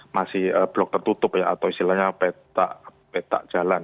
masih blok tertutup ya atau istilahnya peta jalan